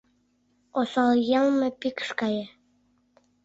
Осал йылме пикш гае.